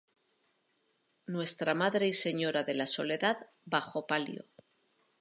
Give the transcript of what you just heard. Nuestra Madre y Señora de la Soledad bajo palio.